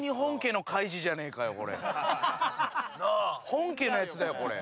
本家のやつだよこれ。